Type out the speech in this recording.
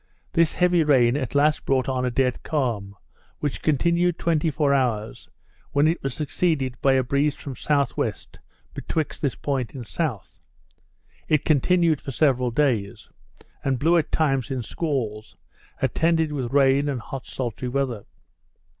This heavy rain at last brought on a dead calm, which continued twenty four hours, when it was succeeded by a breeze from S.W. Betwixt this point and S. it continued for several days; and blew at times in squalls, attended with rain and hot sultry weather.